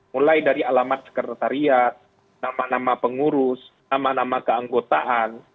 mulai dari alamat sekretariat nama nama pengurus nama nama keanggotaan